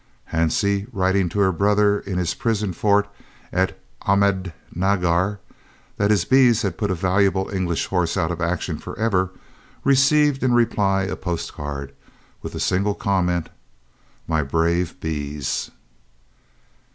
Hansie, writing to her brother in his prison fort at Ahmednagar, that his bees had put a valuable English horse out of action for ever, received in reply a postcard, with the single comment, "My brave bees!"